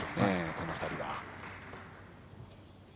この２人は。